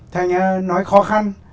thế anh nói khó khăn